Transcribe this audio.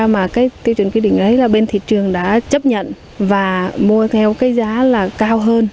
mà cái tiêu chuẩn quy định ấy là bên thị trường đã chấp nhận và mua theo cái giá là cao hơn